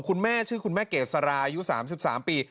คุณแม่ชื่อคุณแม่เกษราอายุ๓๓ปี